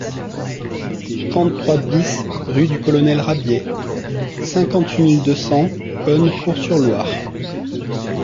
trente-trois BIS rue du Colonel Rabier, cinquante-huit mille deux cents Cosne-Cours-sur-Loire